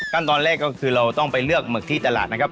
ตอนแรกก็คือเราต้องไปเลือกหมึกที่ตลาดนะครับ